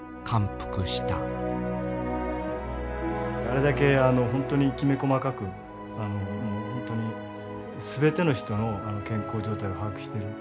あれだけほんとにきめ細かく全ての人の健康状態を把握してる。